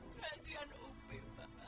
kasian upi pak